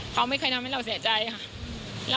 เขาไม่เคยทำให้เราเสียใจค่ะ